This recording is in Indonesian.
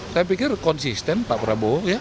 saya pikir konsisten pak prabowo